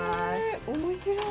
面白い！